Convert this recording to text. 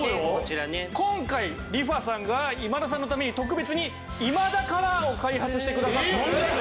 今回リファさんが今田さんのために特別に今田カラーを開発してくださったんです。